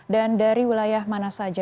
dan dari wilayah mana saja